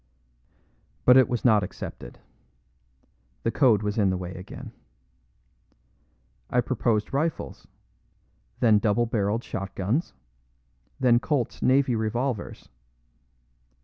But it was not accepted. The code was in the way again. I proposed rifles; then double barreled shotguns; then Colt's navy revolvers.